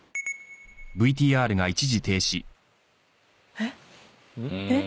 えっ？えっ？